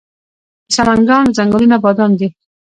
د سمنګان ځنګلونه بادام دي